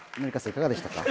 いかがでしたか？